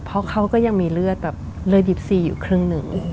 เพราะเขายังมีเลือด๒๔เครื่องนึง